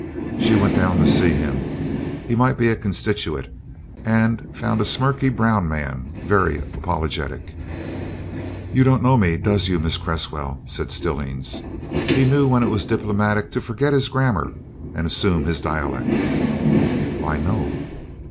She went down to see him he might be a constituent and found a smirky brown man, very apologetic. "You don't know me does you, Mrs. Cresswell?" said Stillings. He knew when it was diplomatic to forget his grammar and assume his dialect. "Why no."